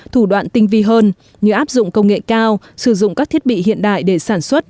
thủ đoạn tinh vi hơn như áp dụng công nghệ cao sử dụng các thiết bị hiện đại để sản xuất